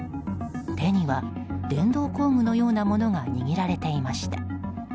手には、電動工具のようなものが握られていました。